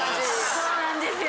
そうなんですよ。